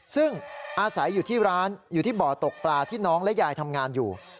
ซึ่งอาศัยอยู่ที่ร้านอยู่ที่บ่อตกปลาที่น้องและยายทำงานอยู่